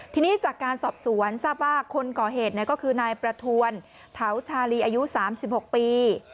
ทีนี้จากการสอบสวนทราบว่าคนก่อเหตุก็คือนายประทวนเถาชาลีอายุ๓๖ปี